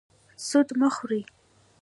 سود مه خورئ